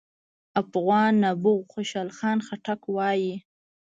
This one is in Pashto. افغان نبوغ خوشحال خان خټک وايي: